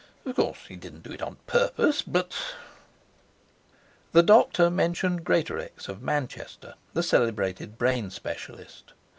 Of course, he didn't do it on purpose, but ' The doctor mentioned Greatorex of Manchester, the celebrated brain specialist.